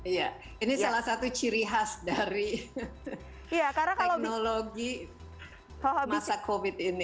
iya ini salah satu ciri khas dari teknologi masa covid ini